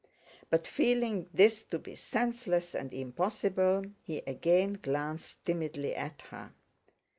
But feeling this to be senseless and impossible, he again glanced timidly at her.